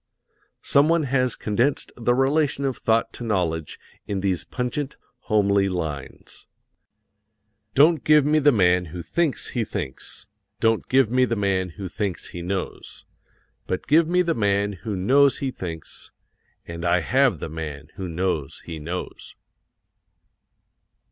Someone has condensed the relation of thought to knowledge in these pungent, homely lines: "Don't give me the man who thinks he thinks, Don't give me the man who thinks he knows, But give me the man who knows he thinks, And I have the man who knows he knows!"